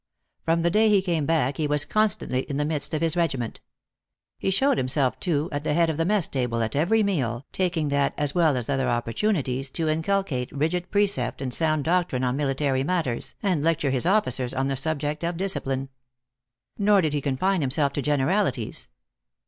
From the day he came back he was constantly in the midst of his regiment. He showed himself, too, at the head of the mess table at every meal, taking that, as well as other opportunities, to inculcate rigid precept and sound doctrine on military matters, and lecture his officers on the subject of discipline. ISTor did he confine himself to generalities.